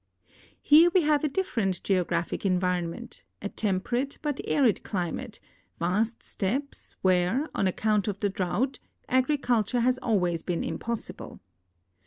Here we have a different geographic environment — a temperate but arid climate, vast stepi)es, where, on account of the drought, agriculture has alwaj^s been imiiossible.